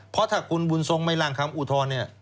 เพราะถ้าคุณบุญทรงไม่ล่างคำอุทธรณ์เนี่ย